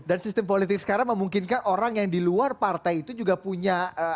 sistem politik sekarang memungkinkan orang yang di luar partai itu juga punya